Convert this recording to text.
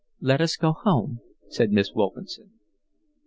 "Let us go home," said Miss Wilkinson.